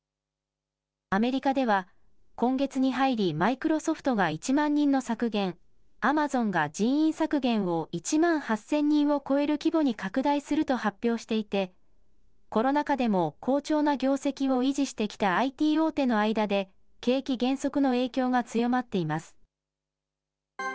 アメリカでは、今月に入り、マイクロソフトが１万人の削減、アマゾンが人員削減を１万８０００人を超える規模に拡大すると発表していて、コロナ禍でも好調な業績を維持してきたＩＴ大手の間で、景気減速の影響が強まっています。